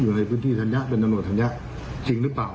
อยู่ในพื้นที่ธัญญะเป็นตำรวจธัญญะจริงหรือเปล่า